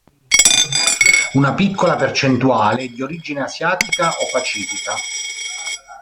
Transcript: Una piccola percentuale è di origine asiatica o pacifica.